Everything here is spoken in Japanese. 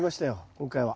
今回は。